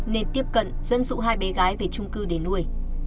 nên tiếp cận dẫn dụ hai bé gái về trung cư để nuôi